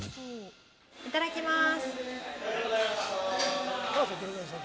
いただきます。